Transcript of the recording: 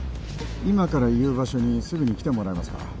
今から言う場所にすぐに来てもらえますか